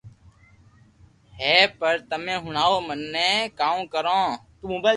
ھي پر تمي ھڻاوُ مني ڪاو ڪرو